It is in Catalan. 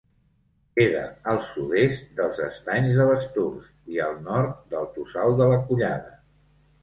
Queda al sud-est dels Estanys de Basturs i al nord del Tossal de la Collada.